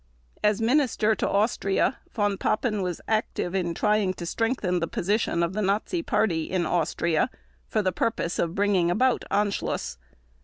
As Minister to Austria, Von Papen was active in trying to strengthen the position of the Nazi Party in Austria for the purpose of bringing about Anschluss.